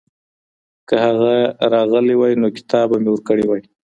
که هغه راغلی وای نو کتاب به مي ورکړی وای.